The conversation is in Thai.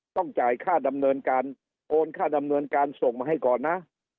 ต้องจ่ายค่าดำเนินการโอนค่าดำเนินการส่งมาให้ก่อนนะ